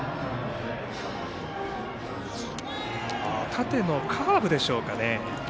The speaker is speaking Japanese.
縦のカーブでしょうか。